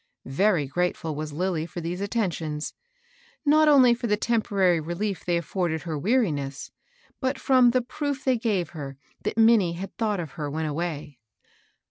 Yeiy grateful was Lilly for these attentions ; not only for the tempo rary rehef they afforded her weariness, but from the proof they gave her that Minnie had thought of her when away.